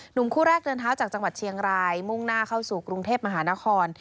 หนุ่มคู่แรกเดินเท้าจากจังหวัดเชียงรายมุ่งหน้าเข้าสู่กรุงเทพมหานคร